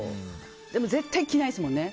でも絶対着ないですもんね。